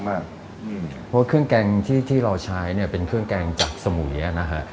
เพราะว่าเครื่องแกงที่เราใช้เนี่ยเป็นเครื่องแกงจากสมุยนะฮะ